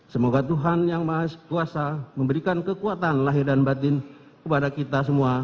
semoga tuhan yang maha kuasa memberikan kekuatan lahir dan batin kepada kita semua